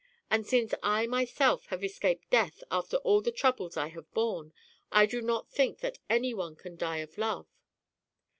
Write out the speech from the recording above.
And since I myself have escaped death after all the troubles I have borne, I do not think that any one can die of love."